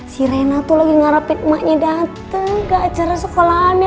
si rena tuh lagi ngarepin emaknya dateng gak acara sekolahannya